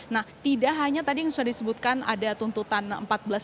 nah tidak hanya tadi yang sudah disebutkan ada tuntutan empat belas